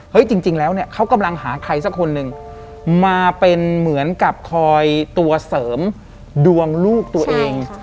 จริงแล้วเนี่ยเขากำลังหาใครสักคนหนึ่งมาเป็นเหมือนกับคอยตัวเสริมดวงลูกตัวเอง